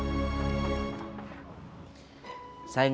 saya tidak tahu dimana bisa ketemu dia lagi